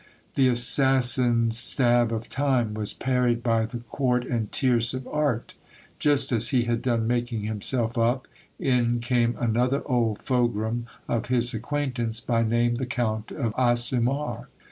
The assassin stab of time was parried by the quart and tierce of art Just as he had done making himself up, in came another old fogram of his acquaintance, by name the Count of Asumar.